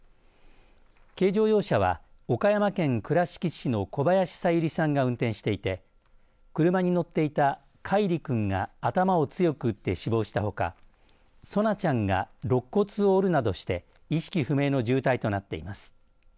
軽乗用車は岡山県倉敷市の小林小百合さんが運転していて車に乗っていた叶一里君が頭を強く打って死亡したほか蒼菜ちゃんがろっ骨を折るなどして意識不明の重体となっています。